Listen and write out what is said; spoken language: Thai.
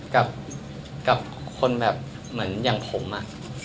กับคนแบบเหมือนอย่างผมอะ